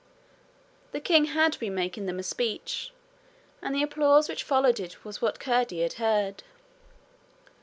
The king had been making them a speech, and the applause which followed it was what Curdie had heard.